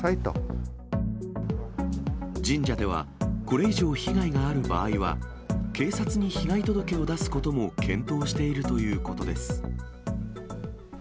神社では、これ以上被害がある場合は、警察に被害届を出すことも検討しているということです。